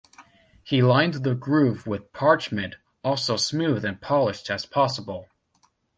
He lined the groove with "parchment, also smooth and polished as possible".